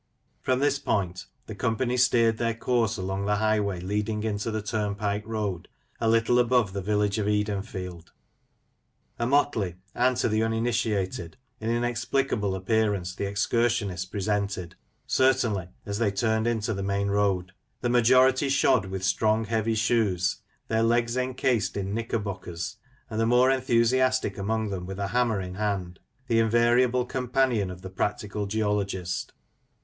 From this point the company steered their course along the highway leading into the turnpike road a little above the village of Edenfield. A motley, and to the uninitiated, an inexplicable appearance the excursionists presented, cer tainly, as they turned into the main road. The majority shod with strong, heavy shoes, their legs encased in knicker bockers, and the more enthusiastic among them with hammer in hand, the invariable companion of the practical geologist.